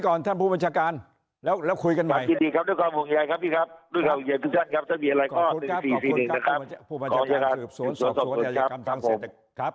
ด้วยครับคุณเจมส์ทุกท่านครับถ้ามีอะไรข้อกรุณสี่สี่หนึ่งนะครับ